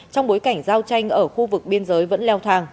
trong bối cảnh giao tranh ở khu vực biên giới vẫn leo thang